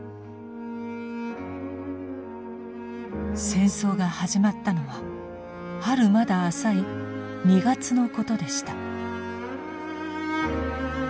戦争が始まったのは春まだ浅い２月のことでした。